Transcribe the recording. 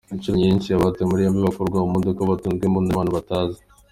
Inshuro nyinshi ‘abatawe muri yombi’ bakururwa mu modoka batunzwe imbunda n’abantu batazi.’’